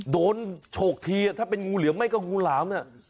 โฉกทีถ้าเป็นงูเหลือมไม่ก็งูหลามเนี่ย